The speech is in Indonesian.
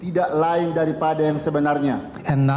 tidak lain daripada yang sebenarnya